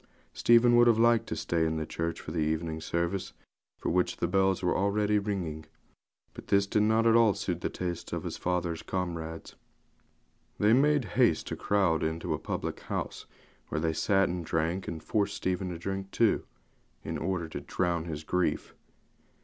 Stephen would have liked to stay in the church for the evening service, for which the bells were already ringing; but this did not at all suit the tastes of his father's old comrades. They made haste to crowd into a public house, where they sat and drank, and forced Stephen to drink too, in order to 'drown his grief.'